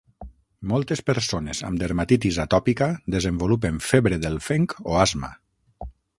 Moltes persones amb dermatitis atòpica desenvolupen febre del fenc o asma.